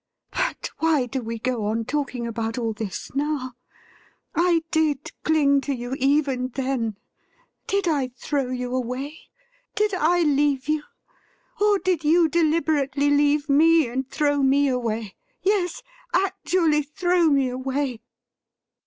But why do we go on talking about all this now .? I did cling to you, even then. Did I throw you away ? Did I leave you ? Or did you deliberately leave me and throw me away — yes, actually throw me away